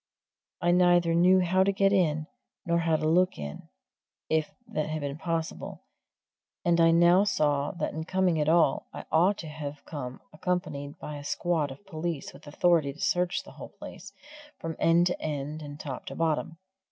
I neither knew how to get in, nor how to look in, if that had been possible; and I now saw that in coming at all I ought to have come accompanied by a squad of police with authority to search the whole place, from end to end and top to bottom.